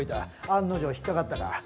案の定引っ掛かったか。